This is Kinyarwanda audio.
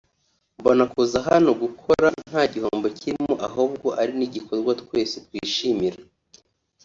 “Mbona kuza hano gukora nta gihombo kirimo ahubwo ari n’igikorwa twese twishimira